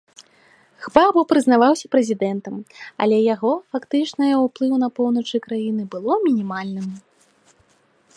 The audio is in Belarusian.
Гбагбо прызнаваўся прэзідэнтам, але яго фактычнае ўплыў на поўначы краіны было мінімальным.